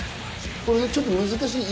ちょっと難しい。